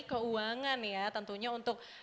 keuangan ya tentunya untuk